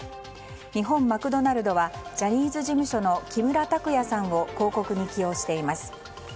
日本マクドナルドはジャニーズ事務所の木村拓哉さんを広告に起用しています。